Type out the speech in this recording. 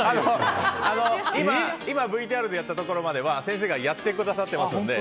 今ＶＴＲでやったところまでは先生がやってくださってますので。